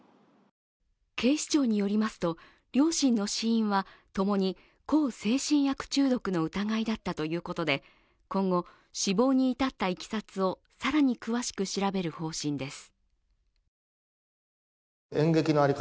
警視庁によりますと両親の死因はともに向精神薬中毒の疑いだったということで今後、死亡に至ったいきさつを更に詳しく調べる方針です。